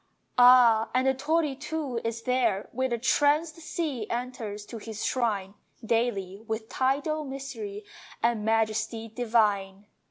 Ah, and the torii too is there Where the tranced sea enters to his shrine Daily, with tidal mystery And majesty divine.